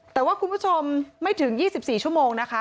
แต่ว่าคุณผู้ชมไม่ถึง๒๔ชั่วโมงนะคะ